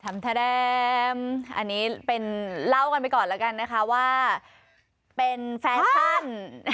อันนี้เป็นเล่ากันไปก่อนแล้วกันนะคะว่าเป็นแฟชั่น